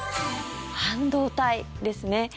半導体ですね。